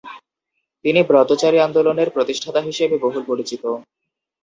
তিনি ব্রতচারী আন্দোলনের প্রতিষ্ঠাতা হিসেবে বহুল পরিচিত।